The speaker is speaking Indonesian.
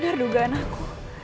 bener dugaan aku